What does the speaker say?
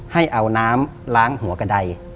ให้เอาน้ำล้างหัวกระดาย